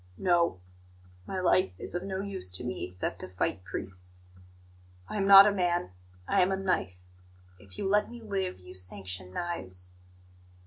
"No. My life is of no use to me except to fight priests. I am not a man; I am a knife. If you let me live, you sanction knives."